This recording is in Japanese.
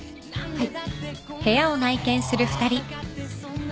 はい？